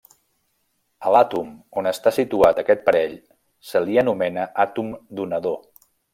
A l'àtom on està situat aquest parell se li anomena àtom donador.